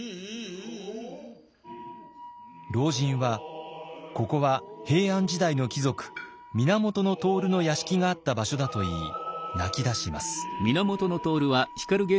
老人はここは平安時代の貴族源融の屋敷があった場所だと言い泣きだします。